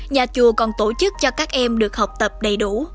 nhà chùa còn tổ chức cho các em được học tập đầy đủ